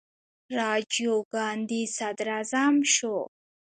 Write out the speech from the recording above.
راجیو ګاندي صدراعظم شو.